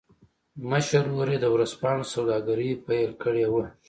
مشر ورور يې د ورځپاڼو سوداګري پیل کړې وه